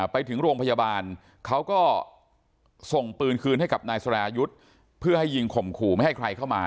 ไปถึงโรงพยาบาลเขาก็ส่งปืนคืนให้กับนายสรายุทธ์เพื่อให้ยิงข่มขู่ไม่ให้ใครเข้ามา